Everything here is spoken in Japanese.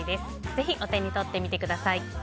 ぜひお手に取ってみてください。